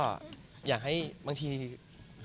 ก็มีไปคุยกับคนที่เป็นคนแต่งเพลงแนวนี้